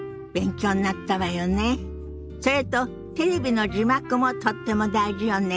それとテレビの字幕もとっても大事よね。